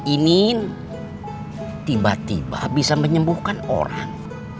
ini tiba tiba bisa menyembuhkan orang